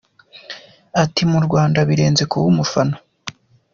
Ati “Mu Rwanda birenze kuba umufana.